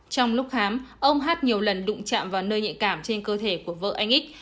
trong lúc khám ông hát nhiều lần đụng chạm vào nơi nhạy cảm trên cơ thể của vợ anh ích